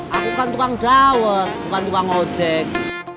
aku kan tukang dawet bukan tukang ojek